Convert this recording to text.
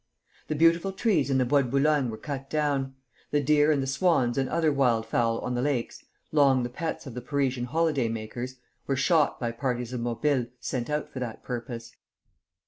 The beautiful trees in the Bois de Boulogne were cut down; the deer and the swans and other wild fowl on the lakes (long the pets of the Parisian holiday makers) were shot by parties of Mobiles sent out for that purpose.